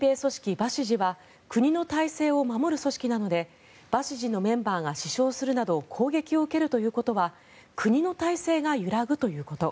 バシジは国の体制を守る組織なのでバシジのメンバーが死傷するなど攻撃を受けるということは国の体制が揺らぐということ。